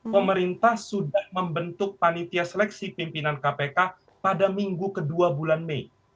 pemerintah sudah membentuk panitia seleksi pimpinan kpk pada minggu kedua bulan mei